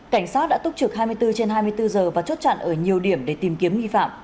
cảnh sát đã túc trực hai mươi bốn trên hai mươi bốn giờ và chốt chặn ở nhiều điểm để tìm kiếm nghi phạm